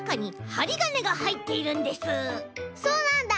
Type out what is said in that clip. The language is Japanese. そうなんだ！